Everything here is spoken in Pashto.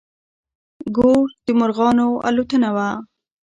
ګور د مرغانو الوتنه وه.